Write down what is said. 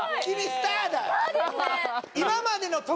スターですね！